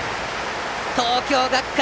東京学館